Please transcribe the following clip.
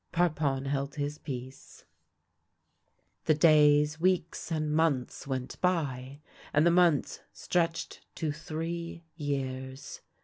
Parpon held his peace. The days, weeks, and months went by, and the months stretched to three years.